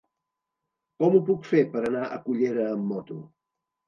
Com ho puc fer per anar a Cullera amb moto?